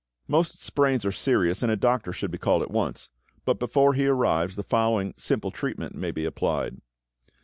= Most sprains are serious, and a doctor should be called at once, but before he arrives the following simple treatment may be applied.